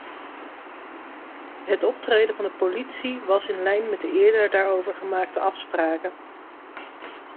Het optreden van de politie was in lijn met de eerder daarover gemaakte afspraken.